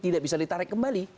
tidak bisa ditarik kembali